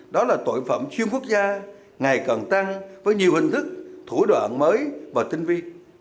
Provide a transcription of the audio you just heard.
đó là tội phạm chuyên quốc gia ngày càng tăng với nhiều hình thức thủ đoạn mới và tinh vi